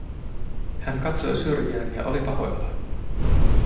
Hän katsoi syrjään ja oli pahoillaan.